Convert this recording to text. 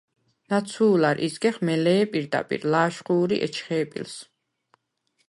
ნაცუ̄ლარ იზგეხ მელე̄ პირდაპირ, ლა̄შხუ̄რი ეჩხე̄ პილს.